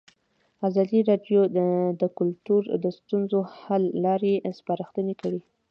ازادي راډیو د کلتور د ستونزو حل لارې سپارښتنې کړي.